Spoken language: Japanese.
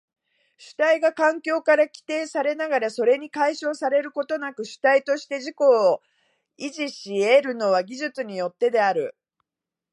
主体が環境から規定されながらそれに解消されることなく主体として自己を維持し得るのは技術によってである。